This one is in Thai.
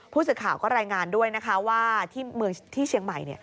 ผู้สื่อข่าวก็รายงานด้วยนะคะว่าที่เชียงใหม่